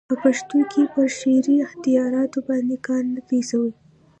په پښتو کښي پر شعري اختیاراتو باندي کار نه دئ سوى.